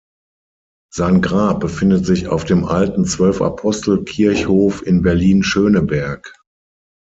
Sein Grab befindet sich auf dem Alten Zwölf-Apostel-Kirchhof in Berlin-Schöneberg.